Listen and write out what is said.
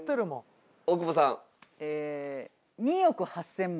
大久保さん。え２億８０００万。